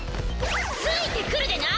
ついてくるでない！